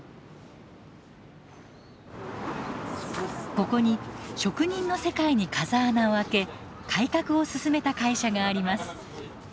ここに職人の世界に風穴を開け改革を進めた会社があります。